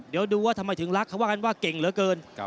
เดี๋ยวดูว่าทำไมถึงรักเขาว่ากันว่าเก่งเหลือเกิน